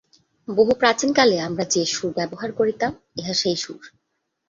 বহু প্রাচীনকালে আমরা যে সুর ব্যবহার করিতাম, ইহা সেই সুর।